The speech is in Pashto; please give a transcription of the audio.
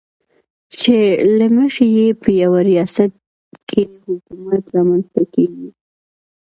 چې له مخې یې په یوه ریاست کې حکومت رامنځته کېږي.